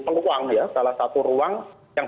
peluang ya salah satu ruang yang